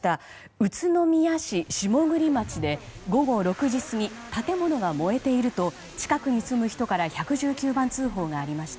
宇都宮市下栗町で午後６時過ぎ建物が燃えていると近くに住む人から１１９番通報がありました。